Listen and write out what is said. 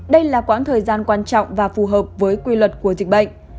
đây là quãng thời gian quan trọng và phù hợp với quy luật của dịch bệnh